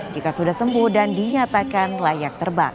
jika sudah sembuh dan dinyatakan layak terbang